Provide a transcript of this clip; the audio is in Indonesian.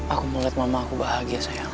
aku melihat mama aku bahagia sayang